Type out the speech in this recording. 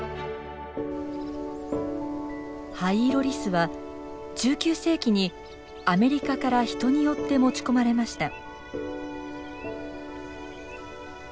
ハイイロリスは１９世紀にアメリカから人によって持ち込まれました。